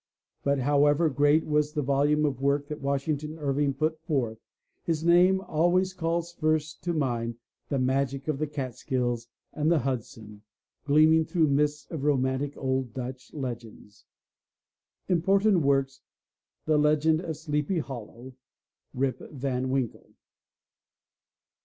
But however great was the volume of work that Washington Irving put forth, his name always calls first to mind the magic of the Catskills and the Hudson, gleaming through mists of romantic old Dutch legends. Important Works: The Legend of Sleepy Hollow. Rip Van Winkle.